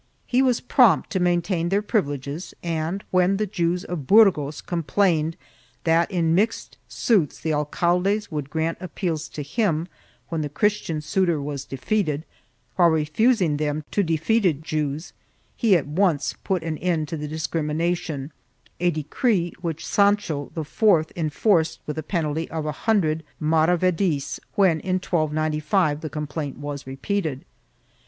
2 He was prompt to maintain their privileges, and, when the Jews of Burgos complained that in mixed suits the alcaldes would grant appeals to him when the Christian suitor was defeated, while refusing them to defeated Jews, he at once put an end to the discrimination, a decree which Sancho IV enforced with a penalty of a hundred maravedis when, in 1295, the complaint was repeated.